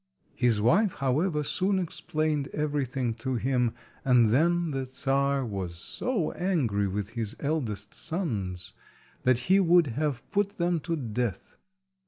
His wife, however, soon explained everything to him, and then the Czar was so angry with his eldest sons that he would have put them to death.